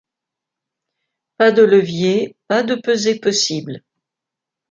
Pas de levier ; pas de pesée possible.